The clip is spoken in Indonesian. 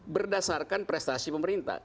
berdasarkan prestasi pemerintah